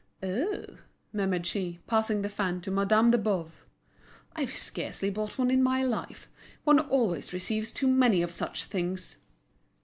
"Oh," murmured she, passing the fan to Madame de Boves, "I've scarcely bought one in my life. One always receives too many of such things."